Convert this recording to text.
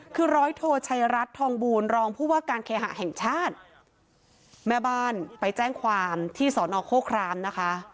คือร้อยโทชัยรัฐทองบูรณรองผู้ว่าการเคหะแห่งชาติแม่บ้านไปแจ้งความที่สอนอโฆครามนะคะ